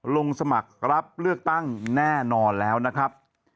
ลงสมัครรับเลือกตั้งแน่นอนแล้วนะครับ